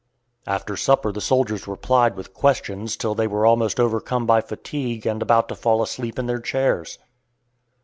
After supper the soldiers were plied with questions till they were almost overcome by fatigue and about to fall asleep in their chairs.